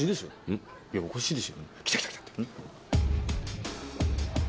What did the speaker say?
よし。